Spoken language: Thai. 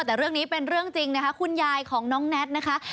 แต่เรื่องนี้เป็นเรื่องจริงนะคะคุณยายของน้องแน็ตนะคะ